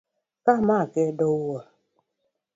Kamake do wuoro.